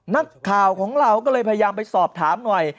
นักข่าวของเราก็เลยพยายามไปสอบถามหน่อย